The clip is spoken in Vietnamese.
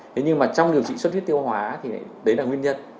thế nhưng mà trong điều trị xuất huyết tiêu hóa thì đấy là nguyên nhân